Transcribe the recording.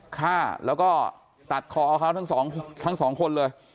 ฆ่าแล้วก็ตัดคอเขาทั้งสองคนเลย